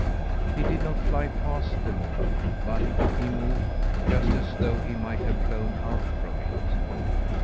He did not fly past the moon, but he moved just as though he might have flown out from it.